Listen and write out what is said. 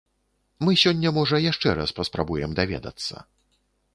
Мы сёння можа яшчэ раз паспрабуем даведацца.